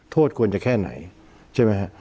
ควรจะแค่ไหนใช่ไหมฮะ